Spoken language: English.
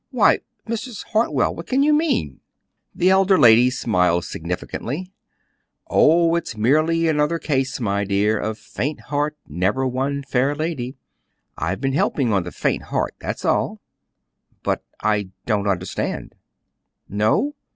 Why, Mrs. Hartwell, what can you mean?" The elder lady smiled significantly. "Oh, it's merely another case, my dear, of 'faint heart never won fair lady.' I've been helping on the faint heart; that's all." "But I don't understand." "No?